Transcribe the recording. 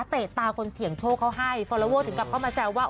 เตะตาคนเสี่ยงโชคเขาให้ฟอลลอเวอร์ถึงกลับเข้ามาแซวว่า